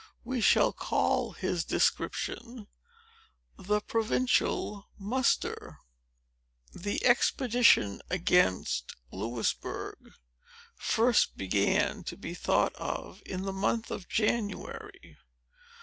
We shall call his description THE PROVINCIAL MUSTER The expedition against Louisbourg first began to be thought of in the month of January.